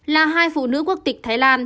là hai phụ nữ quốc tịch thái lan